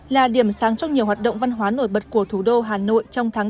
là điểm sáng trong nhiều hoạt động văn hóa nổi bật của thủ đô hà nội trong tháng bốn